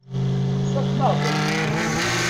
Tfakem-aɣ-ten.